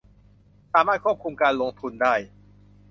สามารถควบคุมการลงทุนได้